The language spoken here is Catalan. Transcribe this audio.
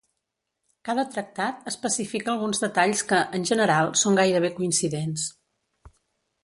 Cada tractat especifica alguns detalls que, en general, són gairebé coincidents.